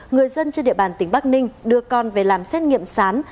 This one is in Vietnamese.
người dân trên địa bàn tỉnh bắc ninh đưa con về làm xét nghiệm sán